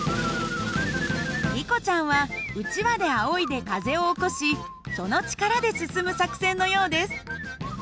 リコちゃんはうちわであおいで風を起こしその力で進む作戦のようです。